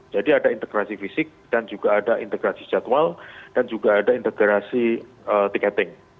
ada integrasi fisik dan juga ada integrasi jadwal dan juga ada integrasi tiketing